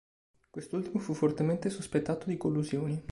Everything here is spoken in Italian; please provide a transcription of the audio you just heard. Quest'ultimo fu fortemente sospettato di collusioni.